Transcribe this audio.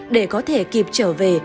để có thể kịp trở về